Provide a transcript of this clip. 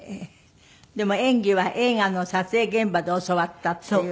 でも演技は映画の撮影現場で教わったっていう感じ。